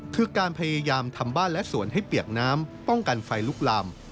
คือการพยายามทำบ้านและสวนให้เปียกน้ำป้องกันไฟลุกลาม